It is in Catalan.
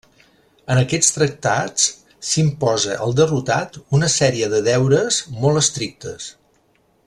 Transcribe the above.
En aquests tractats s'imposa al derrotat una sèrie de deures molt estrictes.